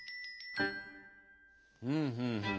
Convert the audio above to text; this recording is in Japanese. ふんふんふん。